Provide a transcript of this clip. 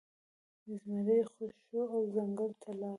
زمری خوشې شو او ځنګل ته لاړ.